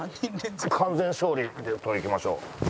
完全勝利でとりにいきましょう。